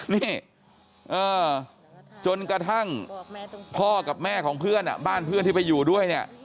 นี่จนกระทั่งพ่อกับแม่ของเพื่อนบ้านเพื่อนที่ไปอยู่ด้วยเนี่ย